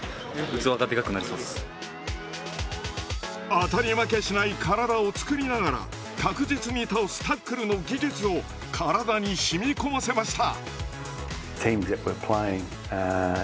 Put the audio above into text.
当たり負けしない体を作りながら確実に倒すタックルの技術を体にしみ込ませました。